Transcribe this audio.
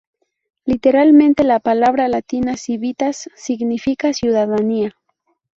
Literalmente la palabra latina "civitas" significa "ciudadanía".